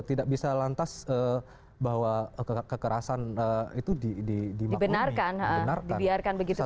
tidak bisa lantas bahwa kekerasan itu dibiarkan begitu saja